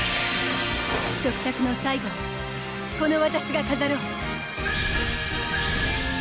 食卓の最後をこのわたしが飾ろう！